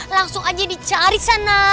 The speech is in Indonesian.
langsung aja dicari sana